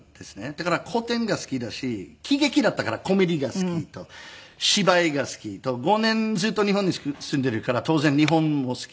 だから古典が好きだし喜劇だったからコメディーが好きと芝居が好きと５年ずっと日本に住んでいるから当然日本も好き。